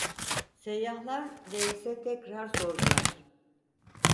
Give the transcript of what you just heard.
Seyyahlar, reise tekrar sordular: